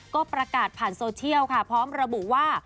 ก็ประกาศผ่านโซเชียลค่ะพร้อมระบุว่า